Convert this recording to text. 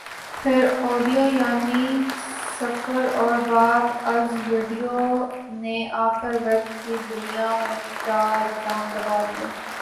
پھر آڈیو یعنی ص سفر اور بعد آز ویڈیو نے آکر ویب کی دنیا میں چارہ چاند لگا د